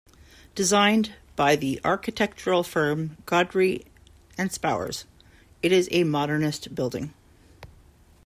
Designed by the architectural firm Godfrey and Spowers, it is a modernist building.